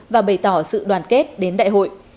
và bày tỏ sự đoàn kết đến đại hội